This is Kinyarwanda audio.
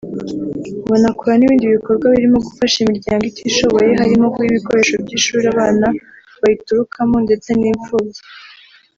banakora n’ibindi bikorwa birimo gufasha imiryango itishoboye harimo guha ibikoresho by’ishuri abana bayiturukamo ndetse n’impfubyi